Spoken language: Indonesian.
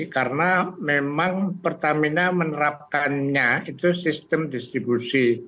karena memang pertamina menerapkannya itu sistem distribusi